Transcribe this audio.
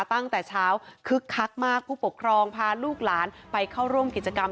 ตั้งแต่เช้าคึกคักมากผู้ปกครองพาลูกหลานไปเข้าร่วมกิจกรรม